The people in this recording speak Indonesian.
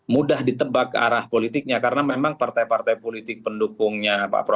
mudah ditebak arah politiknya karena memang partai partai politik pendukungnya pak prabowo